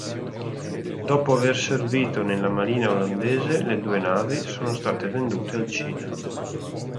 Dopo aver servito nella Marina Olandese le due navi sono state vendute al Cile.